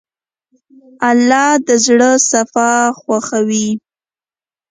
الله د زړه صفا خوښوي.